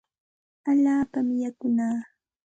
Allaapami yakunaa.